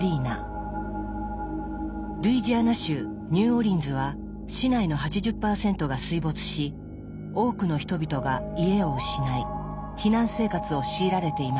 ルイジアナ州ニューオーリンズは市内の８０％が水没し多くの人々が家を失い避難生活を強いられていました。